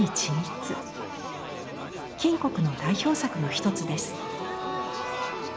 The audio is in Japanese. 谷の代表作の一つです。